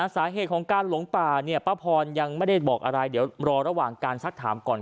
สาเหตุของการหลงป่าเนี่ยป้าพรยังไม่ได้บอกอะไรเดี๋ยวรอระหว่างการซักถามก่อน